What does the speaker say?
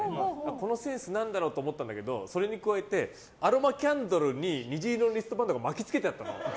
このセンス何だろうと思ったんだけどそれに加えてアロマキャンドルに虹色のリストバンドが巻き付けてあったの。